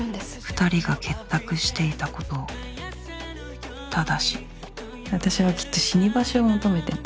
２人が結託していたことをただし私はきっと死に場所を求めてんだよ。